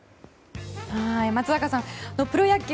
松坂さん、プロ野球